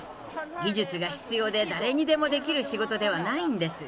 技術が必要で、誰にでもできる仕事ではないんです。